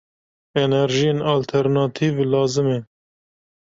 Enerjiyên alternatîv lazim e.